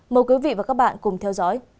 mời quý vị và các bạn cùng theo dõi